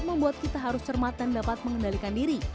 membuat kita harus cermat dan dapat mengendalikan diri